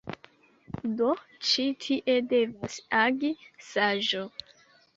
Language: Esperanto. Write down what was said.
Do, ĉi tie devas agi saĝo.